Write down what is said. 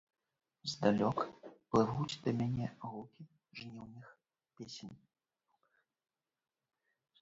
Здалёк плывуць да мяне гукі жніўных песень.